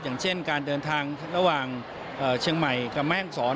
อย่างเช่นการเดินทางระหว่างเชียงใหม่กับแม่งศร